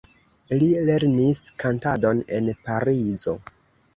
Li lernis kantadon en Parizo.